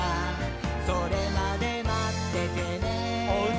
「それまでまっててねー！」